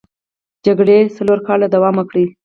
جګړې څلور کاله دوام وکړ.